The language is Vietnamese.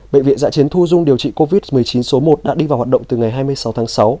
bệnh viện giã chiến thu dung điều trị covid một mươi chín số một đã đi vào hoạt động từ ngày hai mươi sáu tháng sáu